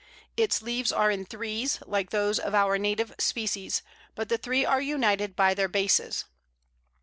Its leaves are in threes, like those of our native species, but the three are united by their bases.